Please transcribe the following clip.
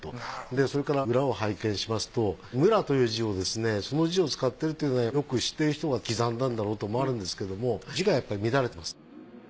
それから裏を拝見しますと「村」という字をその字を使っているというのはよく知ってる人が刻んだんだろうっていうのもあるんですけども字がやっぱり乱れてます。